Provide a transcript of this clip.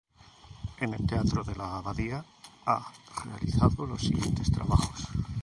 En el Teatro de La Abadía ha realizado los siguientes trabajos